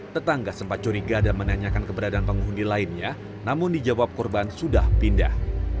tetangga sempat curiga dan menanyakan keberadaan penghuni lainnya namun dijawab korban sudah pindah